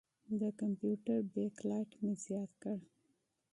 د کمپیوټر بیک لایټ مې زیات کړ.